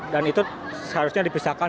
dan itu seharusnya dipisahkan